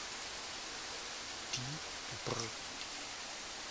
Die „Gebr.